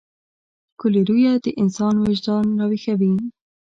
ښکلې رويه د انسان وجدان راويښوي.